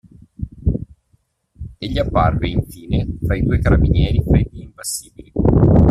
Egli apparve, infine, fra i due carabinieri freddi e impassibili.